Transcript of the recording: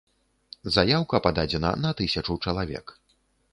Заяўка пададзена на тысячу чалавек.